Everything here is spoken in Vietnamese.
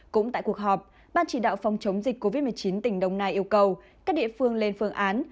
cũng tại cuộc họp ban chỉ đạo phòng chống dịch covid một mươi chín tỉnh đồng nai yêu cầu các địa phương lên phương án